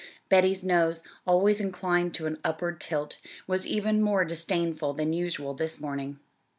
Betty's nose, always inclined to an upward tilt, was even more disdainful than usual this morning.